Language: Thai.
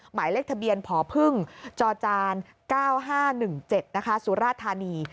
หมายเลขทะเบียนพพึ่งจจาน๙๕๑๗สุราธารณี